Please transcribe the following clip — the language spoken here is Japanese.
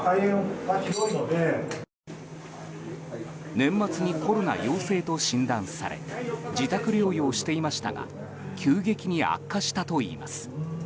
年末にコロナ陽性と診断され自宅療養していましたが急激に悪化したといいます。